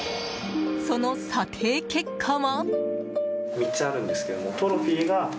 その査定結果は？